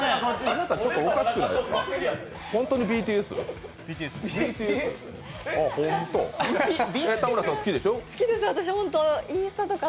あなたちょっとおかしくないですか？